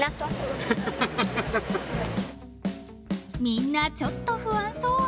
みんな、ちょっと不安そう。